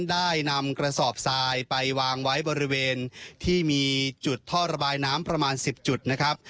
ได้นำกระสอบทรายไปวางไว้บริเวณที่มีจุดท่อระบายน้ำประมาณ๑๐จุดนะครับ